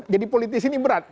jadi politisi ini berat